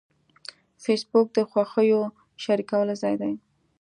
فېسبوک د خوښیو شریکولو ځای دی